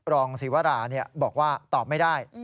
รองศิวราบอกว่าตอบไม่ได้